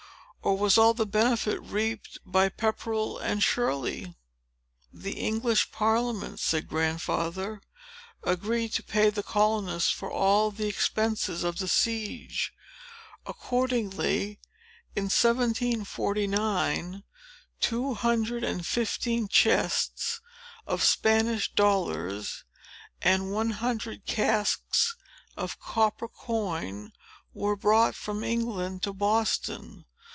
"Or was all the benefit reaped by Pepperell and Shirley?" "The English Parliament," said Grandfather, "agreed to pay the colonists for all the expenses of the siege. Accordingly, in 1749, two hundred and fifteen chests of Spanish dollars, and one hundred casks of copper coin, were brought from England to Boston.